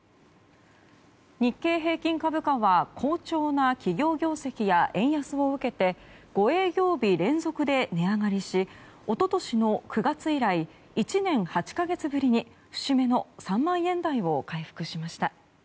日経平均株価は好調な企業業績や円安を受けて５営業日連続で値上がりし一昨年の９月以来１年８か月ぶりに節目の３万円台を回復しました。